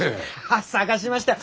探しましたよ。